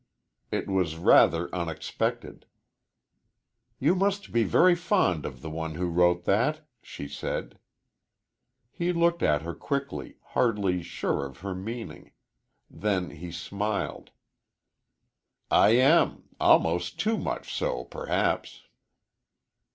It was rather unexpected. "You must be very fond of the one who wrote that," she said. He looked at her quickly, hardly sure of her meaning. Then he smiled. "I am. Almost too much so, perhaps."